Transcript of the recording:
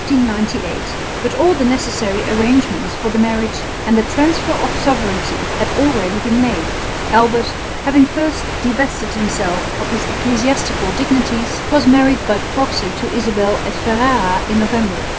But all the necessary arrangements for the marriage and the transfer of sovereignty had already been made. Albert, having first divested himself of his ecclesiastical dignities, was married by proxy to Isabel at Ferrara in November.